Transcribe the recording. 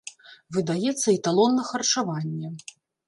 Выдаецца і талон на харчаванне.